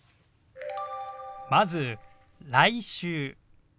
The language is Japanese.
まず「来週」。